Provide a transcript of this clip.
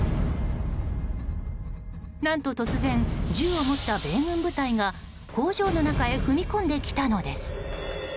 何と突然、銃を持った米軍部隊が工場の中へ踏み込んできたのです。